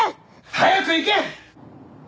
早く行け！